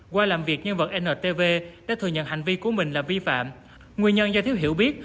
qua làm việc nhân vật ntv đã thừa nhận hành vi của mình là vi phạm nguyên nhân do thiếu hiểu biết